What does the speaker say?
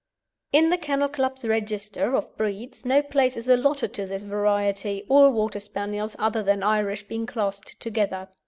In the Kennel Club's Register of Breeds no place is allotted to this variety, all Water Spaniels other than Irish being classed together.